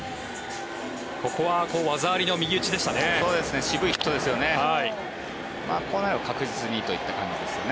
ここは技ありの右打ちでしたね。